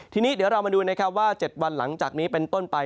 ทีนี้เดี๋ยวเรามาดูนะครับว่า๗วันหลังจากนี้เป็นต้นไป